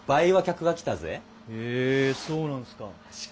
へえそうなんすか。